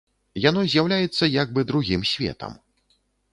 Яно з'яўляецца як бы другім светам.